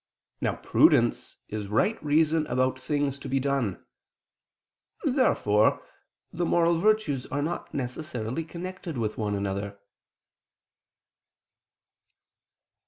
Now prudence is right reason about things to be done. Therefore the moral virtues are not necessarily connected with one another.